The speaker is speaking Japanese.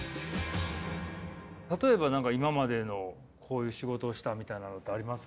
例えば今までのこういう仕事をしたみたいなのってあります？